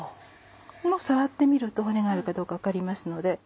触ってみると骨があるかどうか分かりますので。